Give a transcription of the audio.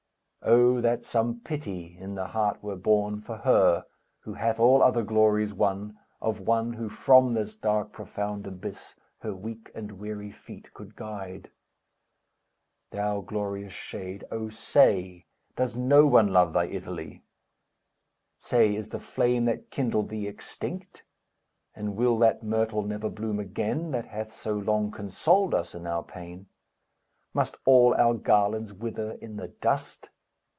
Oh that some pity in the heart were born, For her, who hath all other glories won, Of one, who from this dark, profound abyss, Her weak and weary feet could guide! Thou glorious shade, oh! say, Does no one love thy Italy? Say, is the flame that kindled thee extinct? And will that myrtle never bloom again, That hath so long consoled us in our pain? Must all our garlands wither in the dust?